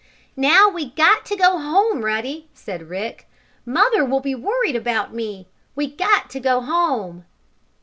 "Now we got to go home, Ruddy," said Rick. "Mother will be worried about me. We got to go home!"